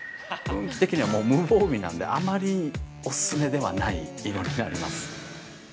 運気的には、無防備なんであまりお勧めではない色になります。